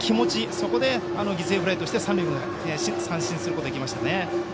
そこで、犠牲フライとして三塁へ三進することができましたね。